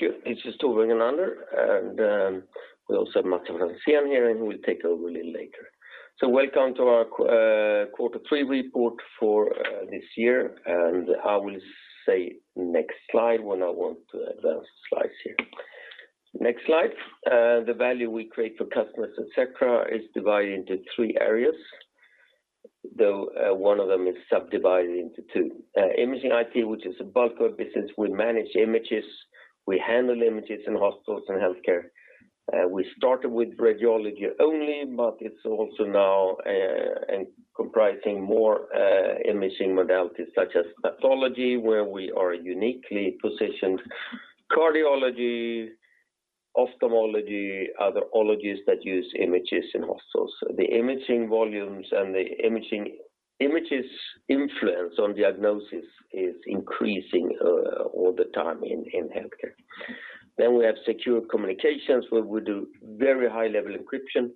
Thank you. This is Torbjörn Kronander, and we also have Mats Franzén here, and he will take over a little later. Welcome to our Quarter 3 report for this year, and I will say next slide when I want to advance the slides here. Next slide. The value we create for customers at Sectra is divided into three areas, though one of them is subdivided into two. Imaging IT, which is the bulk of our business. We manage images, we handle images in hospitals and healthcare. We started with radiology only, but it's also now comprising more imaging modalities such as pathology, where we are uniquely positioned, cardiology, ophthalmology, other ologies that use images in hospitals. The imaging volumes and the images' influence on diagnosis is increasing all the time in healthcare. We have Secure Communications, where we do very high-level encryption,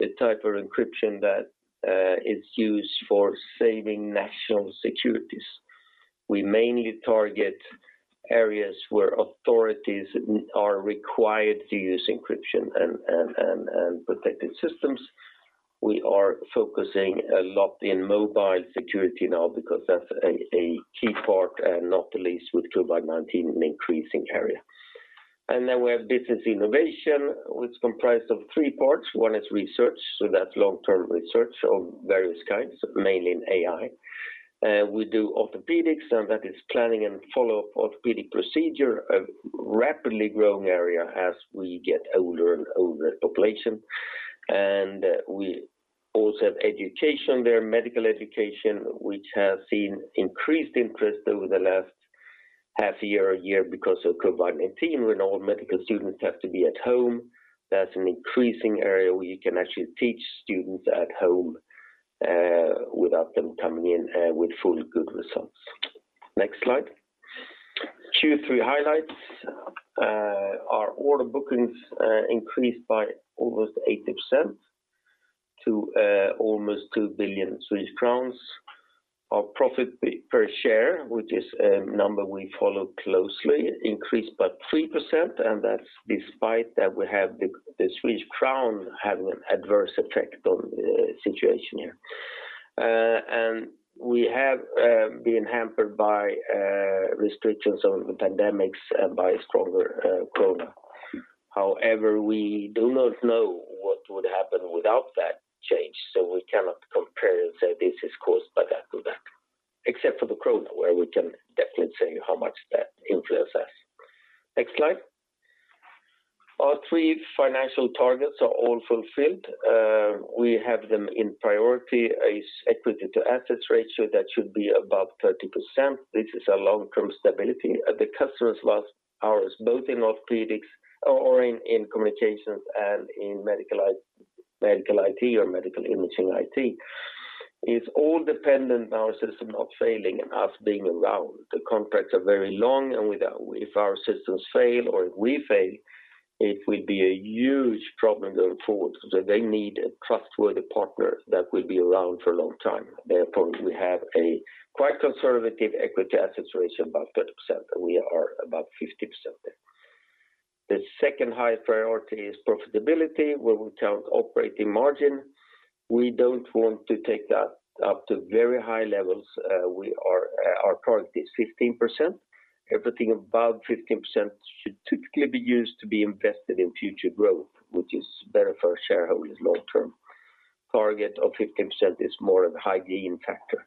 the type of encryption that is used for saving national securities. We mainly target areas where authorities are required to use encryption and protected systems. We are focusing a lot in mobile security now because that's a key part, not the least with COVID-19, an increasing area. We have Business Innovation, which comprised of three parts. One is research, so that's long-term research of various kinds, mainly in AI. We do orthopedics, and that is planning and follow-up orthopedic procedure, a rapidly growing area as we get older and older population. We also have education there, medical education, which has seen increased interest over the last half year or year because of COVID-19, when all medical students have to be at home. That's an increasing area where you can actually teach students at home without them coming in, with fully good results. Next slide. Q3 highlights. Our order bookings increased by almost 80% to almost 2 billion crowns. Our profit per share, which is a number we follow closely, increased by 3%, and that's despite that we have the SEK having an adverse effect on the situation here. We have been hampered by restrictions on the pandemics by stronger COVID-19. However, we do not know what would happen without that change, so we cannot compare and say this is caused by that, except for the COVID-19, where we can definitely say how much that influenced us. Next slide. Our three financial targets are all fulfilled. We have them in priority is equity to assets ratio, that should be above 30%, which is a long-term stability. The customers' last hours, both in communications and in medical IT or medical imaging IT, is all dependent on our system not failing and us being around. If our systems fail or if we fail, it will be a huge problem going forward. They need a trustworthy partner that will be around for a long time. Therefore, we have a quite conservative equity-assets ratio, above 30%, and we are about 50% there. The second highest priority is profitability, where we count operating margin. We don't want to take that up to very high levels. Our target is 15%. Everything above 15% should typically be used to be invested in future growth, which is better for shareholders long term. Target of 15% is more of a hygiene factor.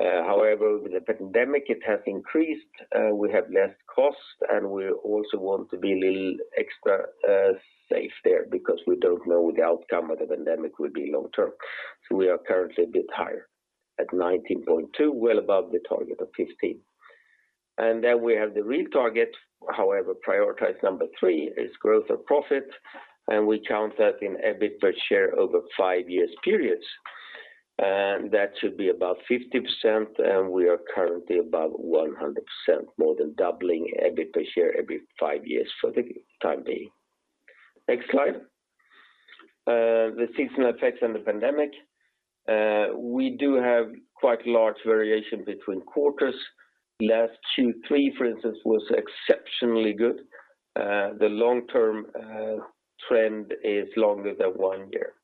However, with the pandemic, it has increased. We have less cost. We also want to be a little extra safe there because we don't know the outcome of the pandemic will be long-term. We are currently a bit higher at 19.2%, well above the target of 15%. We have the real target, however, prioritized number three is growth of profit. We count that in EBIT per share over five-year periods. That should be about 50%. We are currently above 100%, more than doubling EBIT per share every five years for the time being. Next slide. The seasonal effects and the pandemic. We do have quite large variation between quarters. Last Q3, for instance, was exceptionally good. The long-term trend is longer than one year.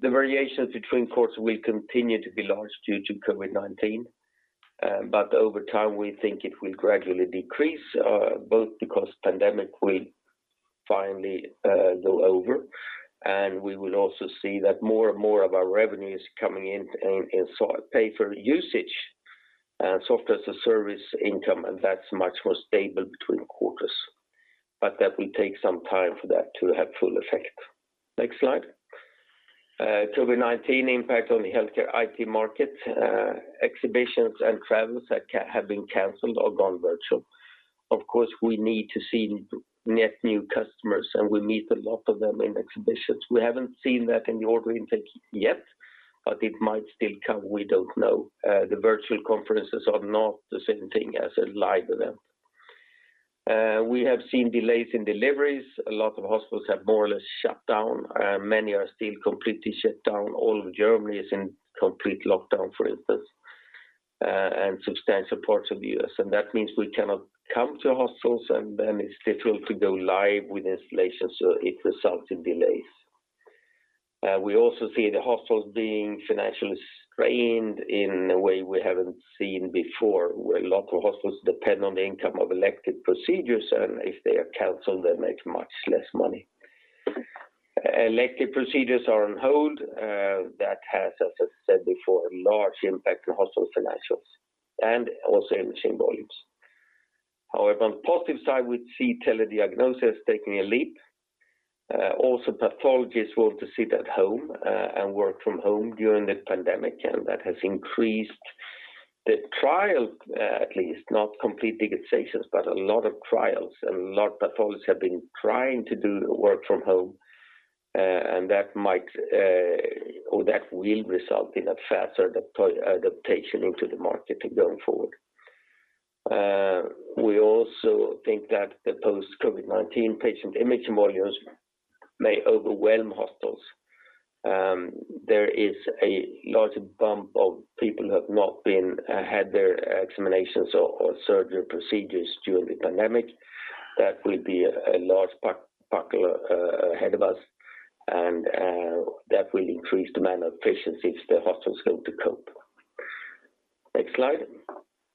The variations between quarters will continue to be large due to COVID-19. Over time, we think it will gradually decrease, both because pandemic will finally go over, and we will also see that more and more of our revenue is coming in pay-for-usage software as a service income, and that's much more stable between quarters. That will take some time for that to have full effect. Next slide. COVID-19 impact on the healthcare IT market. Exhibitions and travels have been canceled or gone virtual. Of course, we need to see net new customers, and we meet a lot of them in exhibitions. We haven't seen that in the order intake yet, but it might still come. We don't know. The virtual conferences are not the same thing as a live event. We have seen delays in deliveries. A lot of hospitals have more or less shut down. Many are still completely shut down. All of Germany is in complete lockdown, for instance, and substantial parts of the U.S. That means we cannot come to hospitals, and then it's difficult to go live with installations, so it results in delays. We also see the hospitals being financially strained in a way we haven't seen before, where a lot of hospitals depend on the income of elective procedures, and if they are canceled, they make much less money. Elective procedures are on hold. That has, as I said before, a large impact on hospital financials and also imaging volumes. However, on the positive side, we see telediagnosis taking a leap. Also, pathologists want to sit at home and work from home during the pandemic, and that has increased the trial, at least, not complete digitization, but a lot of trials and a lot of pathologists have been trying to do work from home, and that will result in a faster adaptation into the market going forward. We also think that the post-COVID-19 patient image volumes may overwhelm hospitals. There is a large bump of people who have not had their examinations or surgery procedures during the pandemic. That will be a large backlog ahead of us, and that will increase demand on efficiencies the hospital's going to cope. Next slide.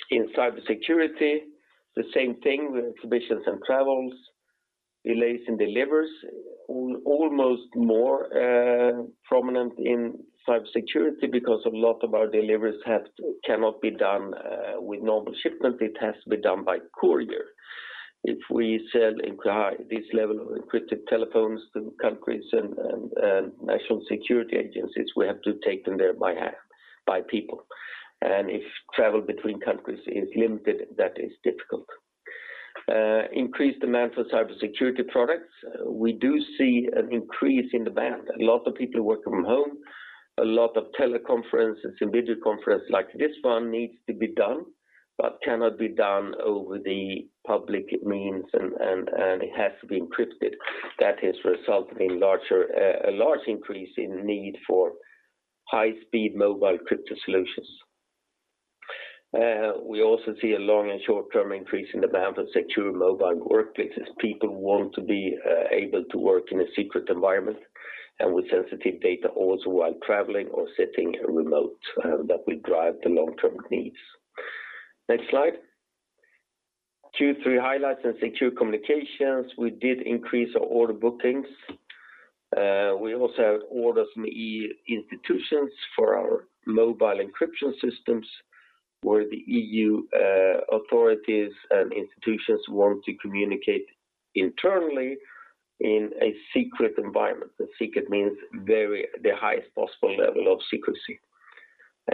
In cybersecurity, the same thing with exhibitions and travels, delays in deliveries. Almost more prominent in cybersecurity because a lot of our deliveries cannot be done with normal shipment. It has to be done by courier. If we sell this level of encrypted telephones to countries and national security agencies, we have to take them there by people. If travel between countries is limited, that is difficult. Increased demand for cybersecurity products. We do see an increase in demand. A lot of people work from home. A lot of teleconferences and video conference like this one needs to be done, but cannot be done over the public means, and it has to be encrypted. That has resulted in a large increase in need for high-speed mobile crypto solutions. We also see a long- and short-term increase in demand for secure mobile workplaces. People want to be able to work in a secret environment and with sensitive data also while traveling or sitting remote. That will drive the long-term needs. Next slide. Q3 highlights in Secure Communications. We did increase our order bookings. We also have orders from the EU institutions for our mobile encryption systems, where the EU authorities and institutions want to communicate internally in a secret environment. Secret means the highest possible level of secrecy.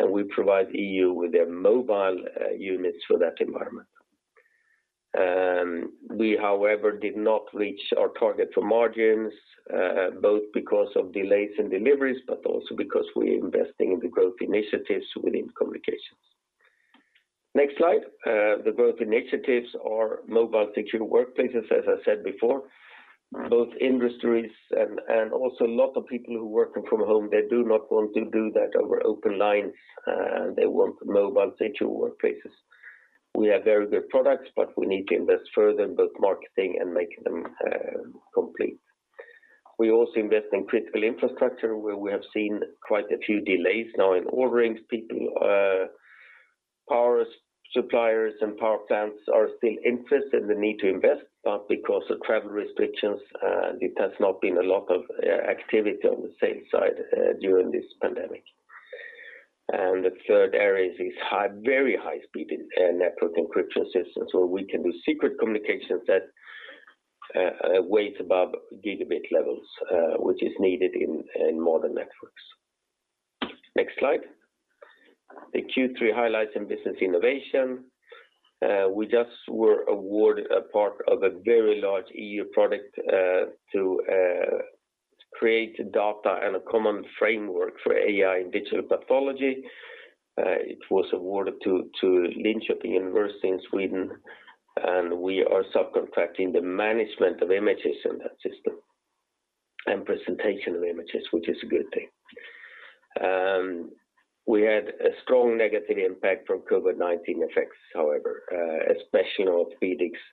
We provide EU with their mobile units for that environment. We, however, did not reach our target for margins, both because of delays in deliveries, also because we're investing in the growth initiatives within Secure Communications. Next slide. The growth initiatives are mobile secure workplaces, as I said before. Both industries and also a lot of people who are working from home, they do not want to do that over open lines. They want mobile secure workplaces. We have very good products, we need to invest further in both marketing and making them complete. We also invest in critical infrastructure where we have seen quite a few delays now in orderings. Power suppliers and power plants are still interested and they need to invest, but because of travel restrictions, it has not been a lot of activity on the sales side during this pandemic. The third area is very high-speed network encryption systems where we can do secret communications that weighs above gigabit levels, which is needed in modern networks. Next slide. The Q3 highlights in Business Innovation. We just were awarded a part of a very large EU project to create data and a common framework for AI in digital pathology. It was awarded to Linköping University in Sweden, and we are subcontracting the management of images in that system and presentation of images, which is a good thing. We had a strong negative impact from COVID-19 effects, however, especially in orthopedics,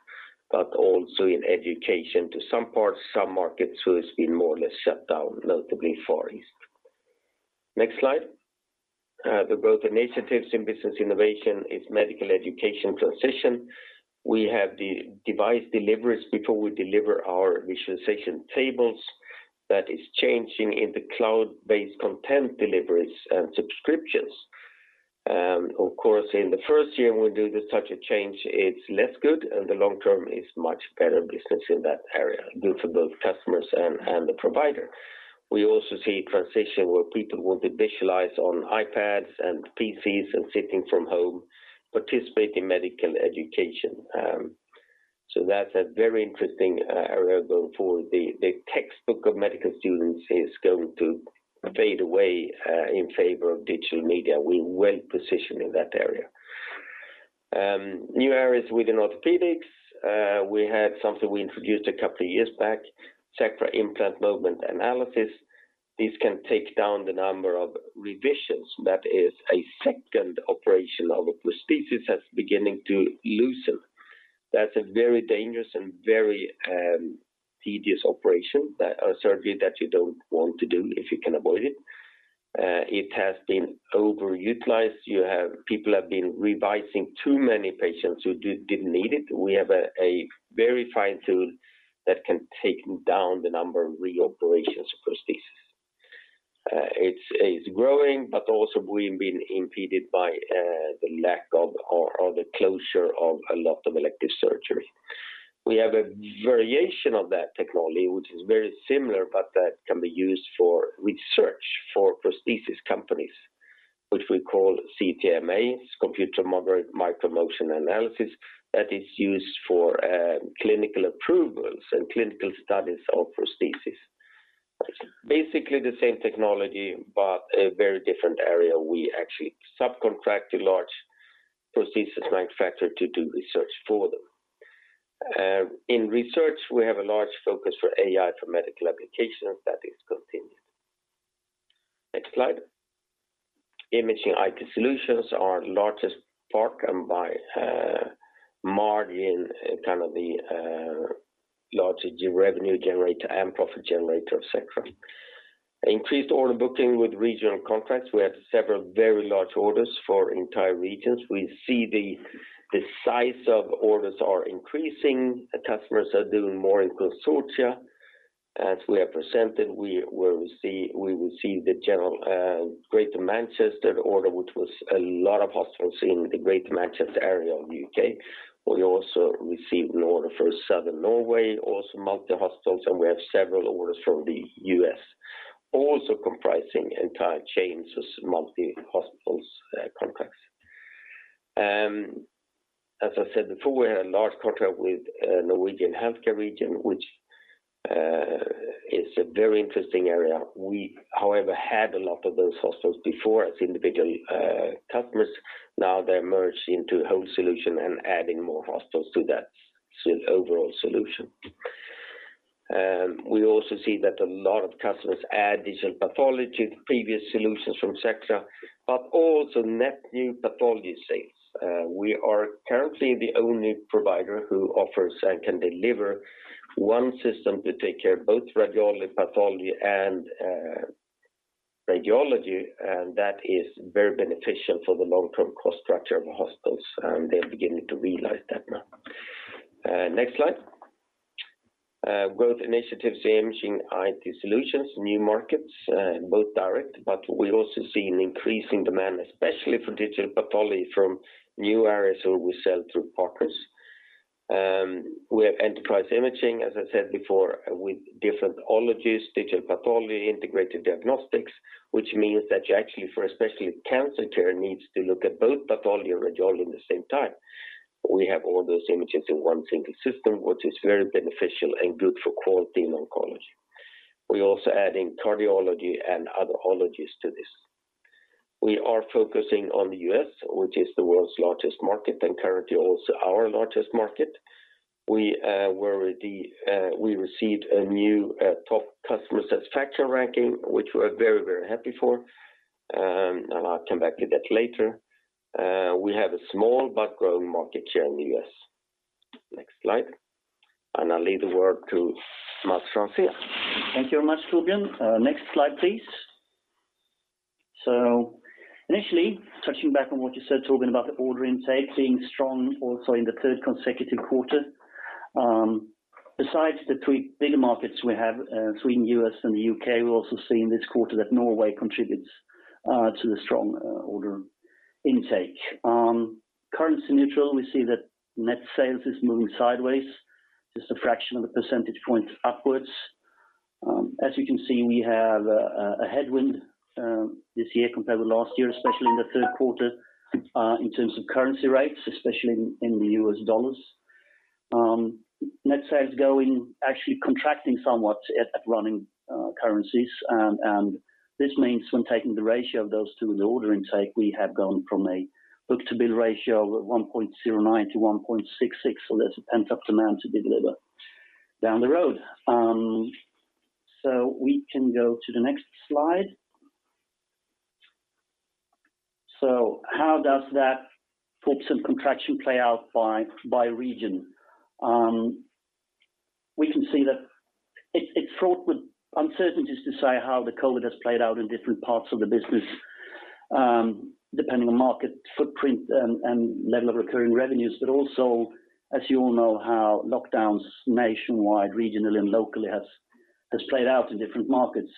but also in education to some parts, some markets who has been more or less shut down, notably Far East. Next slide. The growth initiatives in Business Innovation is medical education transition. We have the device deliveries before we deliver our visualization tables. That is changing into cloud-based content deliveries and subscriptions. Of course, in the first year when we do such a change, it's less good, and the long term is much better business in that area, good for both customers and the provider. We also see transition where people want to visualize on iPads and PCs and sitting from home, participate in medical education. That's a very interesting area going forward. The textbook of medical students is going to fade away in favor of digital media. We're well-positioned in that area. New areas within orthopedics. We had something we introduced a couple of years back, Sectra Implant Movement Analysis. This can take down the number of revisions, that is a second operation of a prosthesis that's beginning to loosen. That's a very dangerous and very tedious operation, a surgery that you don't want to do if you can avoid it. It has been over-utilized. People have been revising too many patients who didn't need it. We have a very fine tool that can take down the number of reoperations, prosthesis. Also we've been impeded by the lack of, or the closure of a lot of elective surgery. We have a variation of that technology, which is very similar, that can be used for research for prosthesis companies, which we call CTMA, it's CT-based Micromotion Analysis, that is used for clinical approvals and clinical studies of prosthesis. Basically, the same technology, but a very different area. We actually subcontract a large prosthesis manufacturer to do research for them. In research, we have a large focus for AI, for medical applications. That is continued. Next slide. Imaging IT Solutions, our largest part and by margin, the largest revenue generator and profit generator of Sectra. Increased order booking with regional contracts. We had several very large orders for entire regions. We see the size of orders are increasing. The customers are doing more in consortia. As we have presented, we will see the general Greater Manchester order, which was a lot of hospitals in the Greater Manchester area of the U.K. We also received an order for Southern Norway, also multi-hospitals, and we have several orders from the U.S., also comprising entire chains as multi-hospitals contracts. As I said before, we have a large contract with Norwegian healthcare region, which is a very interesting area. We, however, had a lot of those hospitals before as individual customers. Now they're merged into whole solution and adding more hospitals to that overall solution. We also see that a lot of customers add digital pathology to previous solutions from Sectra, but also net new pathology sales. We are currently the only provider who offers and can deliver one system to take care of both radiology, pathology, and radiology, and that is very beneficial for the long-term cost structure of hospitals, and they're beginning to realize that now. Next slide. Growth initiatives in Imaging IT Solutions, new markets, both direct. We also see an increase in demand, especially for digital pathology from new areas where we sell through partners. We have enterprise imaging, as I said before, with different ologies, digital pathology, integrated diagnostics. Which means that you actually, for especially cancer care, needs to look at both pathology and radiology at the same time. We have all those images in one single system, which is very beneficial and good for quality in oncology. We're also adding cardiology and other ologies to this. We are focusing on the U.S., which is the world's largest market, and currently also our largest market. We received a new top customer satisfaction ranking, which we're very happy for. I'll come back to that later. We have a small but growing market share in the U.S. Next slide. I'll leave the word to Mats Franzén. Thank you very much, Torbjörn. Next slide, please. Initially, touching back on what you said, Torbjörn, about the order intake being strong also in the third consecutive quarter. Besides the three bigger markets we have, Sweden, U.S., and the U.K., we're also seeing this quarter that Norway contributes to the strong order intake. Currency neutral, we see that net sales is moving sideways, just a fraction of a percentage point upwards. As you can see, we have a headwind this year compared with last year, especially in the third quarter, in terms of currency rates, especially in the U.S. dollars. Net sales actually contracting somewhat at running currencies. This means when taking the ratio of those two in the order intake, we have gone from a book-to-bill ratio of 1.09x to 1.66x. There's a pent-up demand to be delivered down the road. We can go to the next slide. How does that flux and contraction play out by region? We can see that it's fraught with uncertainties to say how the COVID has played out in different parts of the business, depending on market footprint and level of recurring revenues, but also, as you all know, how lockdowns nationwide, regionally, and locally has played out in different markets.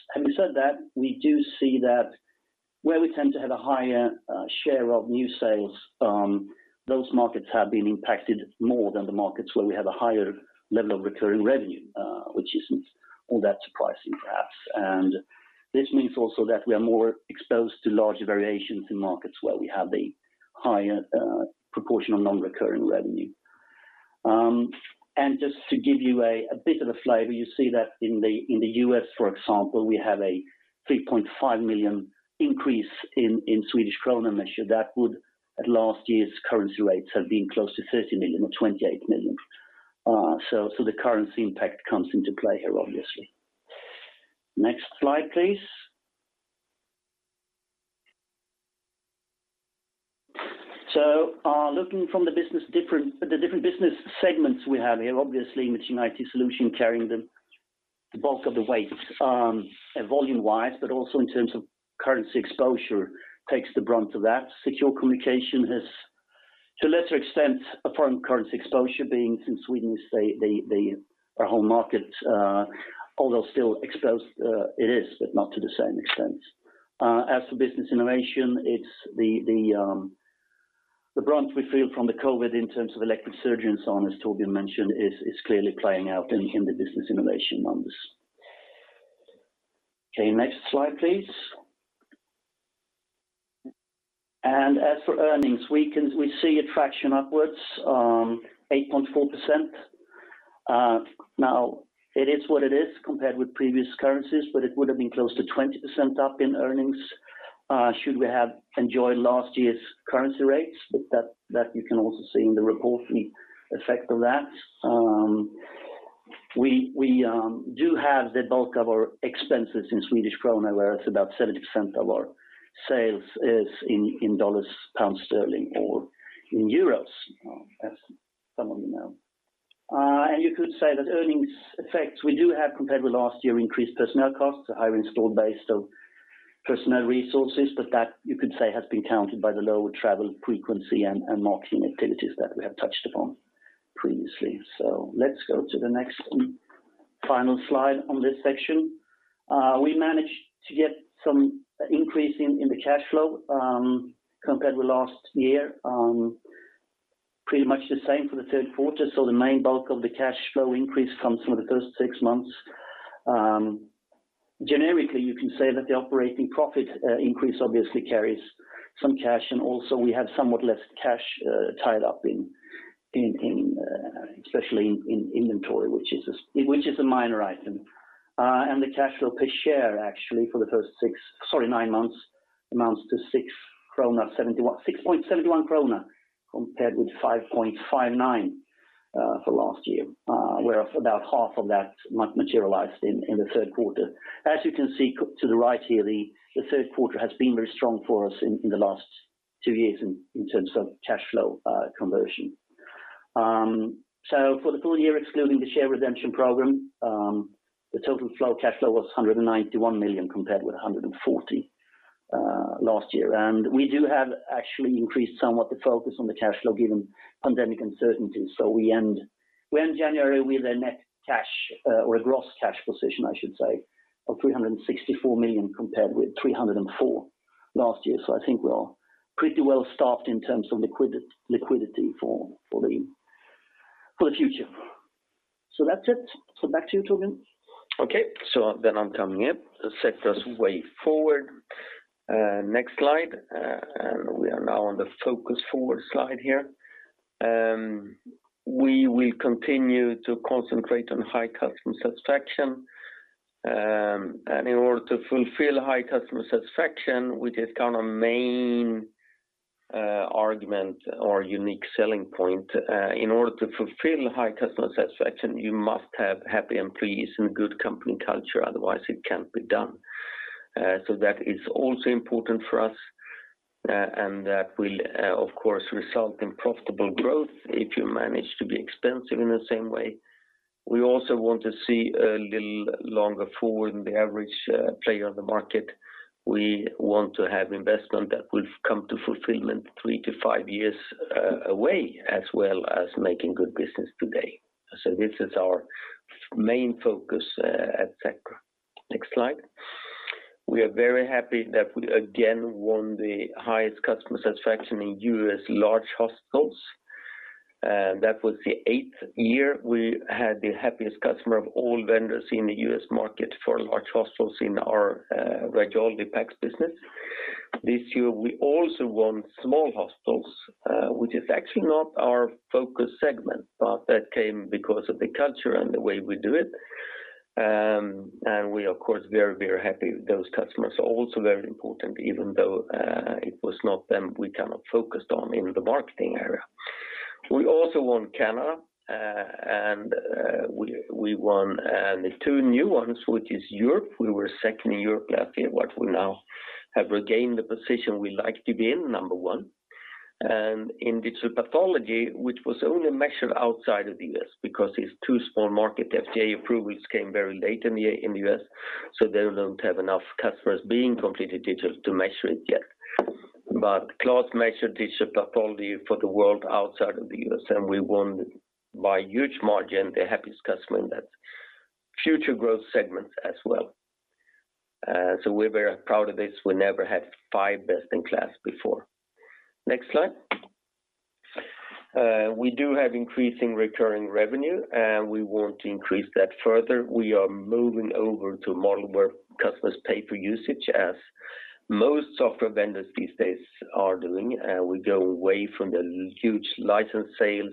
We do see that where we tend to have a higher share of new sales, those markets have been impacted more than the markets where we have a higher level of recurring revenue, which isn't all that surprising, perhaps. This means also that we are more exposed to larger variations in markets where we have a higher proportion of non-recurring revenue. Just to give you a bit of a flavor, you see that in the U.S., for example, we have a 3.5 million increase that would, at last year's currency rates, have been close to 30 million or 28 million. The currency impact comes into play here, obviously. Next slide, please. Looking from the different business segments we have here, obviously, it's Imaging IT Solutions carrying the bulk of the weight volume-wise, but also in terms of currency exposure, takes the brunt of that. Secure Communications has, to a lesser extent, a foreign currency exposure being since Sweden is our home market. Although still exposed, it is, but not to the same extent. As for Business Innovation, it's the brunt we feel from the COVID-19 in terms of elective surgeries, as Torbjörn mentioned, is clearly playing out in the Business Innovation numbers. Okay, next slide, please. As for earnings, we see a traction upwards, 8.4%. Now it is what it is compared with previous currencies, but it would have been close to 20% up in earnings, should we have enjoyed last year's currency rates. That you can also see in the report, the effect of that. We do have the bulk of our expenses in SEK, where it's about 70% of our sales is in dollars, pound sterling, or in euros, as some of you know. You could say that earnings effects we do have compared with last year, increased personnel costs, a higher installed base of personnel resources. That you could say, has been countered by the lower travel frequency and marketing activities that we have touched upon previously. Let's go to the next and final slide on this section. We managed to get some increase in the cash flow, compared with last year. Pretty much the same for the third quarter. The main bulk of the cash flow increase comes from the first six months. Generically, you can say that the operating profit increase obviously carries some cash and also we have somewhat less cash tied up especially in inventory, which is a minor item. The cash flow per share actually for the first nine months amounts to 6.71 krona compared with 5.59 for last year, where about half of that materialized in the third quarter. As you can see to the right here, the third quarter has been very strong for us in the last two years in terms of cash flow conversion. For the full year, excluding the share redemption program, the total flow cash flow was 191 million compared with 140 million last year. We do have actually increased somewhat the focus on the cash flow given pandemic uncertainty. We end January with a net cash, or a gross cash position, I should say, of 364 million compared with 304 last year. I think we're all pretty well staffed in terms of liquidity for the future. That's it. Back to you, Torbjörn. Okay, I'm coming in. Sectra's way forward. Next slide. We are now on the focus forward slide here. We will continue to concentrate on high customer satisfaction. In order to fulfill high customer satisfaction, which is kind of main argument or unique selling point, in order to fulfill high customer satisfaction, you must have happy employees and good company culture, otherwise it can't be done. That is also important for us, and that will, of course, result in profitable growth if you manage to be extensive in the same way. We also want to see a little longer forward than the average player on the market. We want to have investment that will come to fulfillment three to five years away, as well as making good business today. This is our main focus at Sectra. Next slide. We are very happy that we again won the highest customer satisfaction in U.S. large hospitals. That was the eighth year we had the happiest customer of all vendors in the U.S. market for large hospitals in our radiology PACS business. This year, we also won small hospitals, which is actually not our focus segment. That came because of the culture and the way we do it. We are, of course, very happy. Those customers are also very important, even though it was not them we kind of focused on in the marketing area. We also won Canada. We won the two new ones, which is Europe. We were second in Europe last year. We now have regained the position we like to be in, number one. In digital pathology, which was only measured outside of the U.S. because it's too small market. FDA approvals came very late in the U.S., so they don't have enough customers being completely digital to measure it yet. KLAS measured digital pathology for the world outside of the U.S., and we won by huge margin, the happiest customer in that future growth segment as well. We're very proud of this. We never had five best-in-class before. Next slide. We do have increasing recurring revenue, and we want to increase that further. We are moving over to a model where customers pay for usage, as most software vendors these days are doing. We go away from the huge license sales.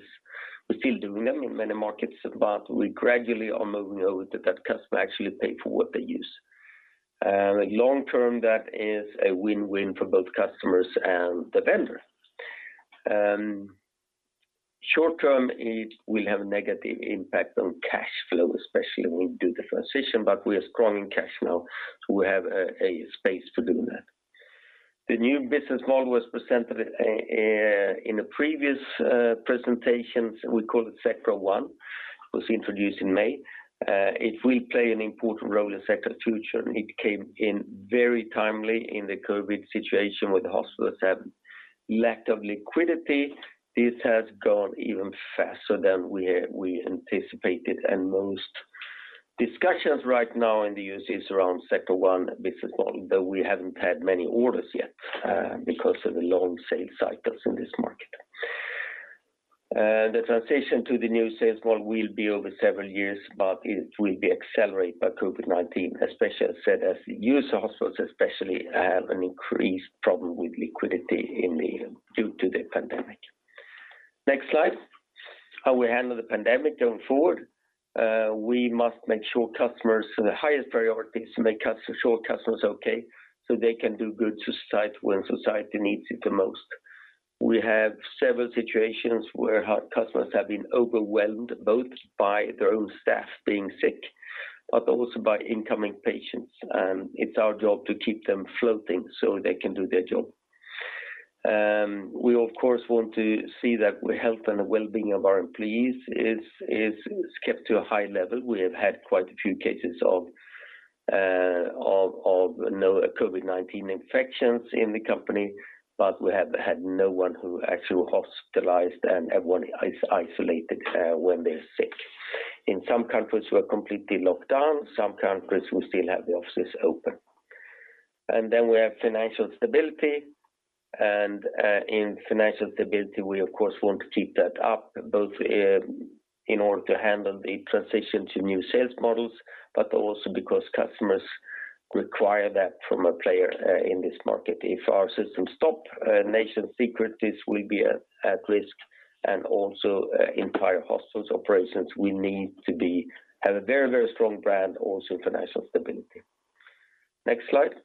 We still do them in many markets, but we gradually are moving over that customer actually pay for what they use. Long-term, that is a win-win for both customers and the vendor. Short term, it will have a negative impact on cash flow, especially when we do the transition, but we are strong in cash now, so we have a space for doing that. The new business model was presented in the previous presentations. We call it Sectra One. It was introduced in May. It will play an important role in Sectra's future, and it came in very timely in the COVID-19 situation with hospitals having lack of liquidity. This has gone even faster than we anticipated, and most discussions right now in the U.S. is around Sectra One business model, though we haven't had many orders yet because of the long sales cycles in this market. The transition to the new sales model will be over several years, but it will be accelerated by COVID-19. As I said, U.S. hospitals especially have an increased problem with liquidity due to the pandemic. Next slide. How we handle the pandemic going forward. We must make sure customers, the highest priority is to make sure customer's okay, so they can do good to society when society needs it the most. We have several situations where customers have been overwhelmed, both by their own staff being sick, but also by incoming patients. It's our job to keep them floating so they can do their job. We, of course, want to see that the health and wellbeing of our employees is kept to a high level. We have had quite a few cases of COVID-19 infections in the company, but we have had no one who actually hospitalized, and everyone isolated when they're sick. In some countries, we're completely locked down. Some countries, we still have the offices open. We have financial stability, in financial stability, we, of course, want to keep that up, both in order to handle the transition to new sales models, but also because customers require that from a player in this market. If our systems stop, national security will be at risk, entire hospitals' operations will need to have a very strong brand also for national stability. Next slide.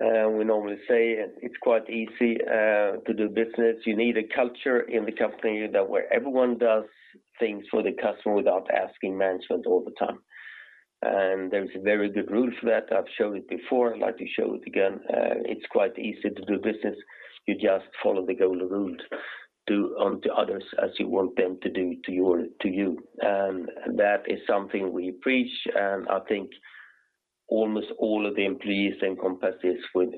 We normally say it's quite easy to do business. You need a culture in the company where everyone does things for the customer without asking management all the time. There's a very good rule for that. I've shown it before. I'd like to show it again. It's quite easy to do business. You just follow the golden rule, do unto others as you want them to do to you. That is something we preach, and I think almost all of the employees encompass this with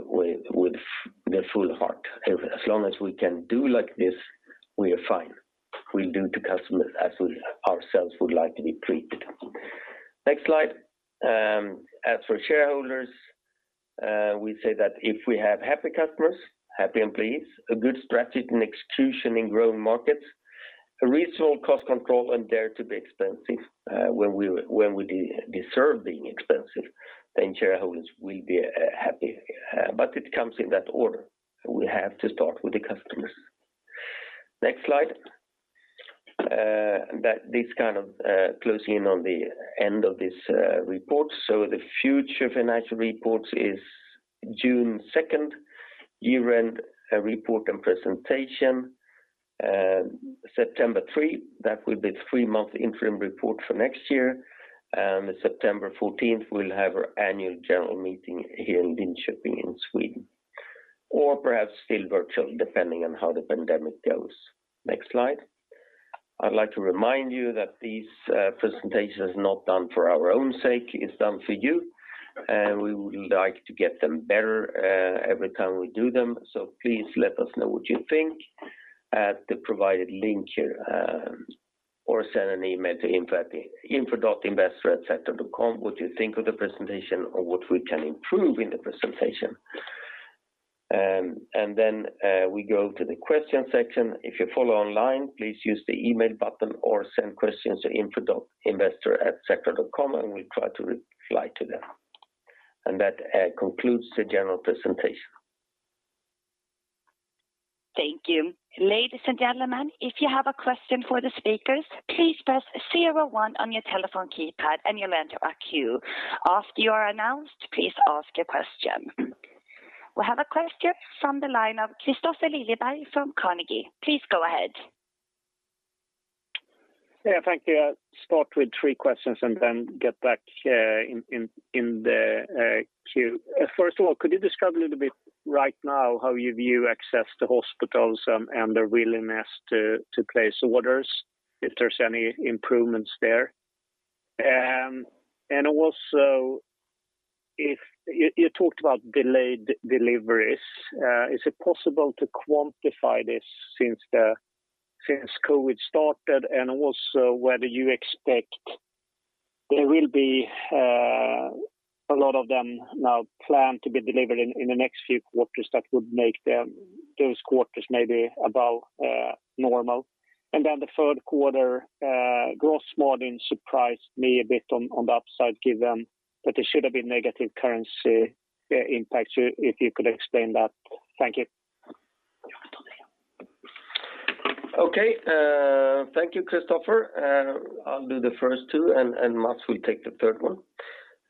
their full heart. As long as we can do like this, we are fine. We'll do to customers as we ourselves would like to be treated. Next slide. As for shareholders, we say that if we have happy customers, happy employees, a good strategy and execution in growth markets, a reasonable cost control, and dare to be expensive when we deserve being expensive, then shareholders will be happy. It comes in that order. We have to start with the customers. Next slide. This kind of closing in on the end of this report. The future financial reports is June 2, year-end report and presentation. September 3, that will be the three-month interim report for next year. September 14th, we'll have our annual general meeting here in Linköping, in Sweden, or perhaps still virtual, depending on how the pandemic goes. Next slide. I'd like to remind you that this presentation is not done for our own sake. It's done for you. We would like to get them better every time we do them, so please let us know what you think at the provided link here, or send an email to info.investor@sectra.com what you think of the presentation or what we can improve in the presentation. Then we go to the question section. If you follow online, please use the email button or send questions to info.investor@sectra.com and we'll try to reply to them. That concludes the general presentation. Thank you. Ladies and gentlemen, if you have a question for the speakers, please press zero one on your telephone keypad and you'll enter a queue. After you are announced, please ask your question. We have a question from the line of Kristofer Liljeberg from Carnegie. Please go ahead. Yeah, thank you. I'll start with three questions and then get back in the queue. First of all, could you describe a little bit right now how you view access to hospitals and their willingness to place orders, if there's any improvements there? Also, you talked about delayed deliveries. Is it possible to quantify this since COVID-19 started? Also, whether you expect there will be a lot of them now planned to be delivered in the next few quarters that would make those quarters maybe above normal? Then the third quarter, gross margin surprised me a bit on the upside given that there should've been negative currency impacts. If you could explain that. Thank you. Thank you, Kristofer. I'll do the first two, and Mats will take the third one.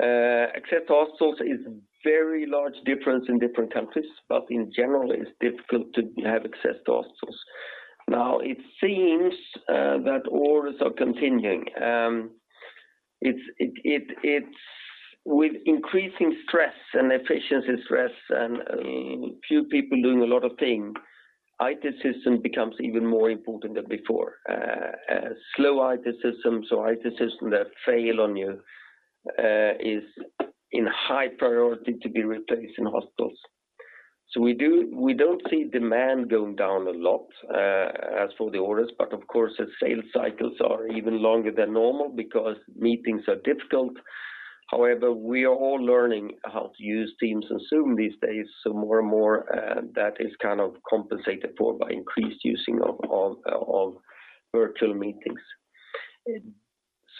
Access to hospitals is very large difference in different countries, but in general, it's difficult to have access to hospitals. It seems that orders are continuing. With increasing stress and efficiency stress and few people doing a lot of things, IT system becomes even more important than before. Slow IT systems or IT systems that fail on you is in high priority to be replaced in hospitals. We don't see demand going down a lot as for the orders, but of course, the sales cycles are even longer than normal because meetings are difficult. We are all learning how to use Teams and Zoom these days, so more and more that is kind of compensated for by increased using of virtual meetings.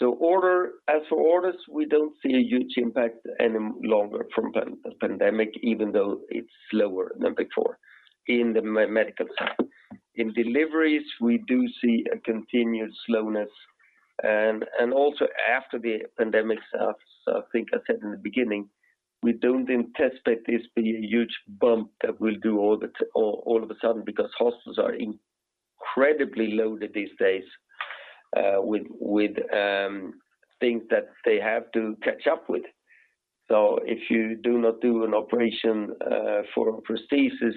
As for orders, we don't see a huge impact any longer from pandemic, even though it's slower than before in the medical side. In deliveries, we do see a continued slowness and also after the pandemic, I think I said in the beginning, we don't anticipate this be a huge bump that will do all of a sudden because hospitals are incredibly loaded these days with things that they have to catch up with. If you do not do an operation for prosthesis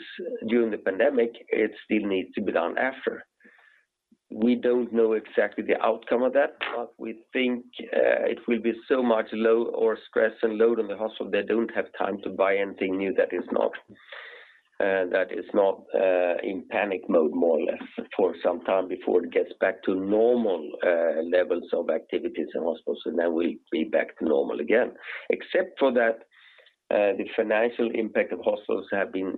during the pandemic, it still needs to be done after. We don't know exactly the outcome of that, but we think it will be so much low or stress and load on the hospital. They don't have time to buy anything new that is not in panic mode, more or less, for some time before it gets back to normal levels of activities in hospitals. We'll be back to normal again. Except for that, the financial impact of hospitals have been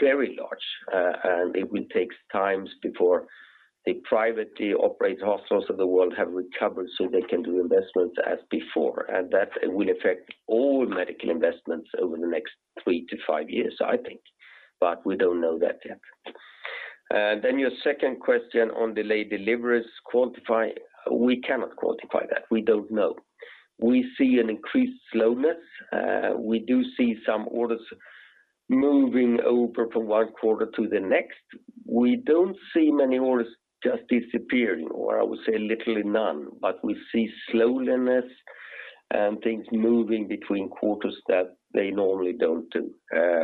very large, and it will take times before the privately operated hospitals of the world have recovered so they can do investments as before. That will affect all medical investments over the next three-five years, I think, but we don't know that yet. Your second question on delayed deliveries quantify, we cannot quantify that. We don't know. We see an increased slowness. We do see some orders moving over from one quarter to the next. We don't see many orders just disappearing, or I would say literally none, but we see slowness and things moving between quarters that they normally don't do.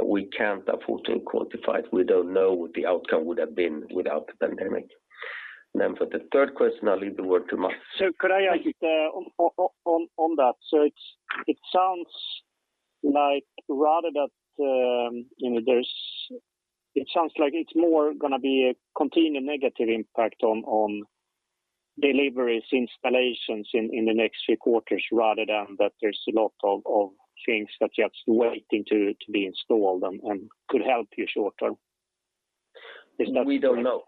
We can't afford to quantify it. We don't know what the outcome would have been without the pandemic. For the third question, I leave the word to Mats. Could I ask on that? It sounds like it's more going to be a continuing negative impact on deliveries, installations in the next few quarters rather than that there's a lot of things that are just waiting to be installed and could help you short term. Is that? We don't know.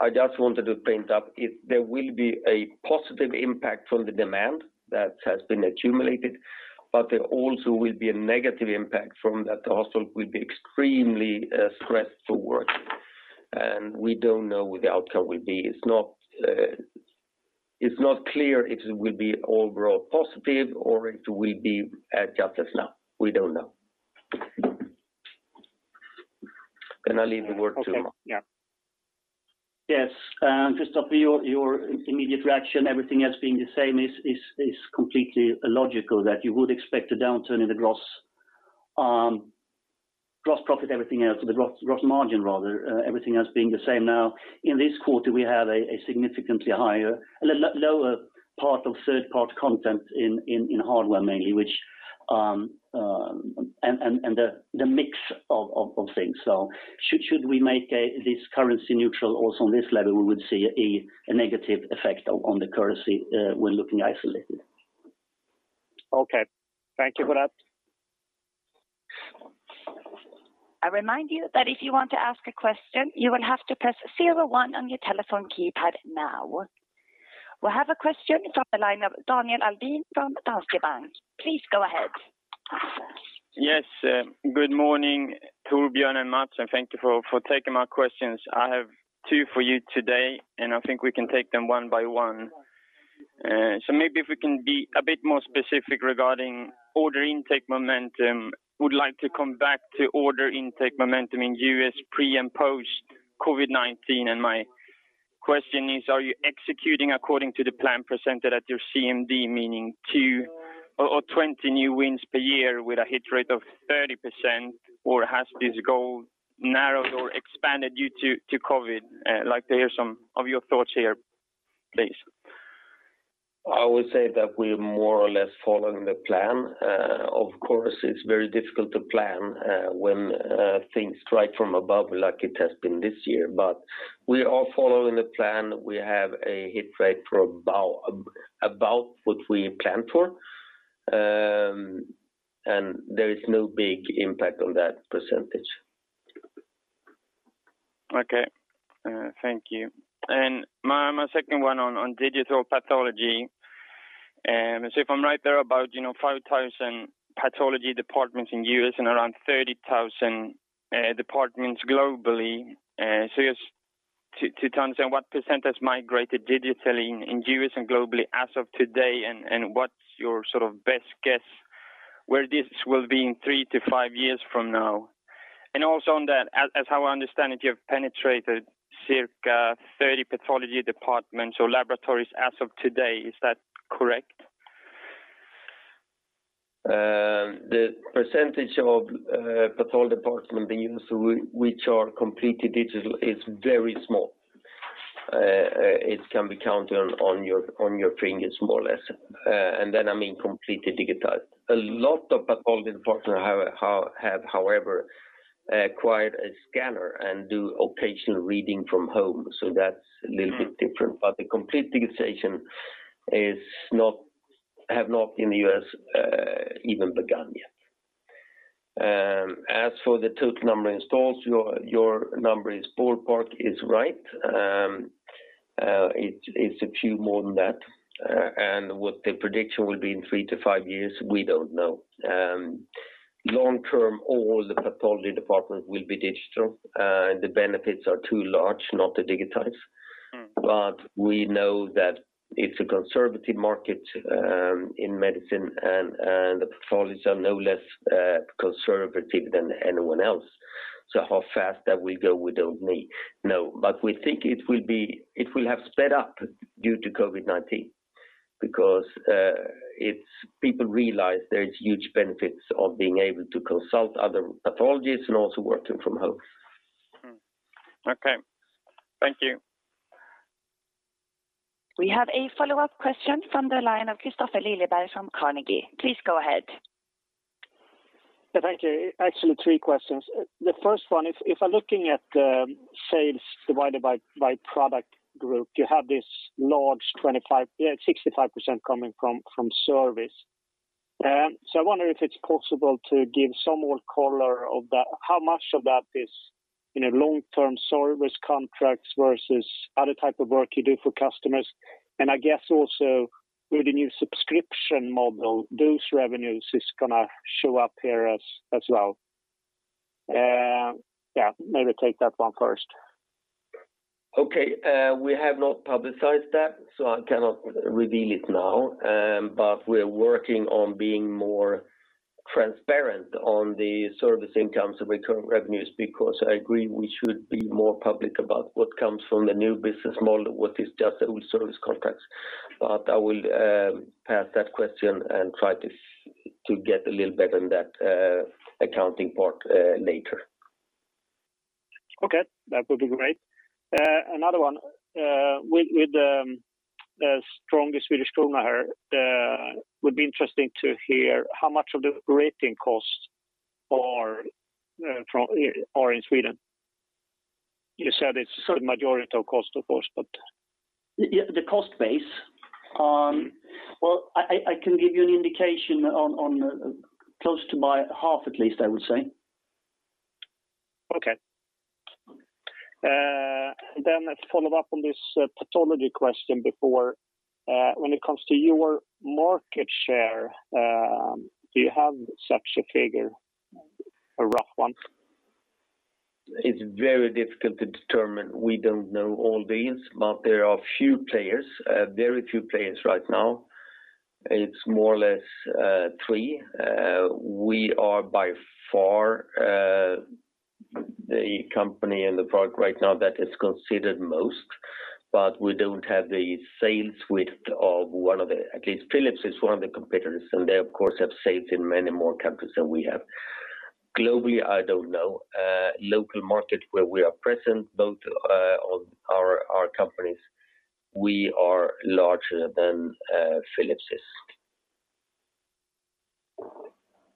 I just wanted to point out there will be a positive impact from the demand that has been accumulated, but there also will be a negative impact from that the hospital will be extremely stressed for work, and we don't know what the outcome will be. It's not clear if it will be overall positive or if it will be just as now. We don't know. I leave the word to Mats. Okay. Yeah. Yes. Kristofer, your immediate reaction, everything else being the same, is completely logical, that you would expect a downturn in the gross profit, everything else, the gross margin, rather, everything else being the same now. In this quarter, we have a lower part of third-party content in hardware mainly, and the mix of things. Should we make this currency neutral also on this level, we would see a negative effect on the currency when looking isolated. Okay. Thank you for that. I remind you that if you want to ask a question, you will have to press 01 on your telephone keypad now. We have a question from the line of Daniel Aldén from Danske Bank. Please go ahead. Yes. Good morning, Torbjörn and Mats, and thank you for taking my questions. I have two for you today, and I think we can take them one by one. Maybe if we can be a bit more specific regarding order intake momentum, would like to come back to order intake momentum in U.S. pre and post COVID-19, and my question is: are you executing according to the plan presented at your CMD, meaning 20 new wins per year with a hit rate of 30%, or has this goal narrowed or expanded due to COVID? Like to hear some of your thoughts here, please. I would say that we're more or less following the plan. Of course, it's very difficult to plan when things strike from above like it has been this year. We are following the plan. We have a hit rate for about what we planned for. There is no big impact on that percentage. Okay. Thank you. My second one on digital pathology. If I'm right, there are about 5,000 pathology departments in U.S. and around 30,000 departments globally. To understand what % has migrated digitally in U.S. and globally as of today, and what's your best guess where this will be in three to five years from now? Also on that, as how I understand it, you have penetrated circa 30 pathology departments or laboratories as of today. Is that correct? The percentage of pathology department being used which are completely digital is very small. It can be counted on your fingers, more or less. Then, I mean completely digitized. A lot of pathology departments have, however, acquired a scanner and do occasional reading from home, so that's a little bit different. The complete digitization have not, in the U.S., even begun yet. For the total number installs, your number is ballpark, it's right. It's a few more than that. What the prediction will be in 3 to 5 years, we don't know. Long term, all the pathology department will be digital. The benefits are too large not to digitize. We know that it's a conservative market in medicine, and the pathologists are no less conservative than anyone else. How fast that will go, we don't know. We think it will have sped up due to COVID-19 because people realize there's huge benefits of being able to consult other pathologists and also working from home. Okay. Thank you. We have a follow-up question from the line of Kristofer Liljeberg from Carnegie. Please go ahead. Thank you. Actually, three questions. The first one, if I'm looking at the sales divided by product group, you have this large 65% coming from service. I wonder if it's possible to give some more color of that. How much of that is long-term service contracts versus other type of work you do for customers? I guess also, with the new subscription model, those revenues is going to show up here as well. Yeah, maybe take that one first. Okay. We have not publicized that, so I cannot reveal it now. We're working on being more transparent on the service incomes and recurring revenues, because I agree, we should be more public about what comes from the new business model, what is just old service contracts. I will pass that question and try to get a little better on that accounting part later. Okay. That would be great. Another one. With the strongest Swedish krona here, would be interesting to hear how much of the operating costs are in Sweden. You said it's a certain majority of cost, of course. The cost base. Well, I can give you an indication on close to half at least, I would say. Okay. A follow-up on this pathology question before. When it comes to your market share, do you have such a figure? A rough one? It's very difficult to determine. We don't know all the answers, but there are a few players, very few players right now. It's more or less three. We are by far the company and the product right now that is considered most, but we don't have the sales width of one of the-- At least Philips is one of the competitors, and they of course have sales in many more countries than we have. Globally, I don't know. Local market where we are present, both of our companies, we are larger than Philips is.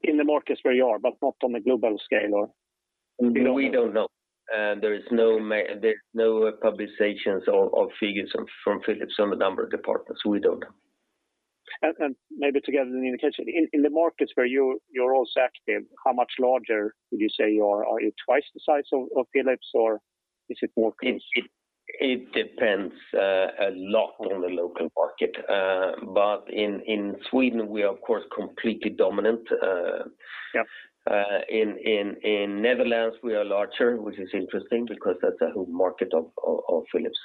In the markets where you are, but not on a global scale, or globally? We don't know. There's no publications or figures from Philips on the number of departments. We don't know. Maybe to get an indication, in the markets where you're also active, how much larger would you say you are? Are you twice the size of Philips, or is it more close? It depends a lot on the local market. In Sweden, we are of course, completely dominant. In Netherlands, we are larger, which is interesting because that's a home market of Philips.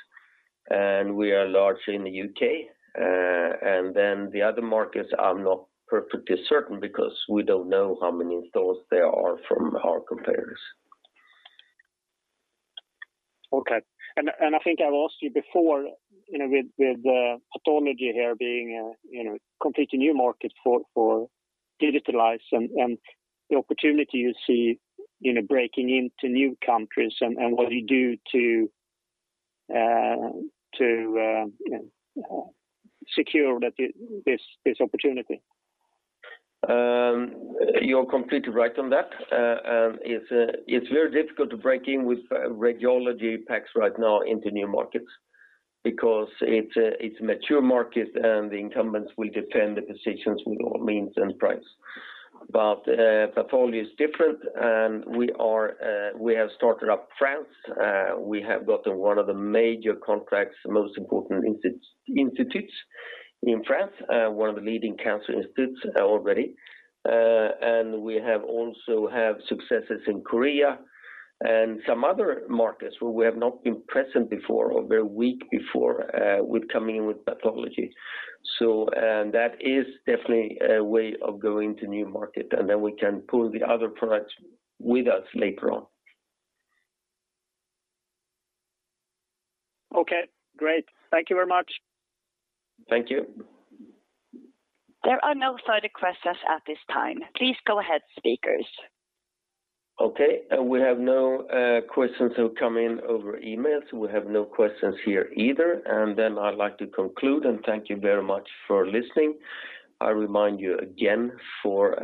We are larger in the U.K. Then the other markets, I'm not perfectly certain because we don't know how many stores there are from our competitors. Okay. I think I've asked you before, with pathology here being a completely new market for digitalize and the opportunity you see in breaking into new countries and what you do to secure this opportunity. You're completely right on that. It's very difficult to break in with radiology PACS right now into new markets because it's a mature market, and the incumbents will defend the positions with all means and price. Pathology is different, and we have started up France. We have gotten one of the major contracts, most important institutes in France, one of the leading cancer institutes already. We have also have successes in Korea and some other markets where we have not been present before or very weak before with coming in with pathology. That is definitely a way of going to new market, and then we can pull the other products with us later on. Okay, great. Thank you very much. Thank you. There are no further questions at this time. Please go ahead, speakers. Okay, we have no questions who come in over email, so we have no questions here either. I'd like to conclude and thank you very much for listening. I remind you again for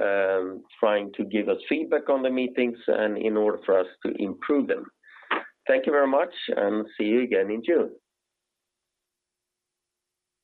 trying to give us feedback on the meetings and in order for us to improve them. Thank you very much, and see you again in June.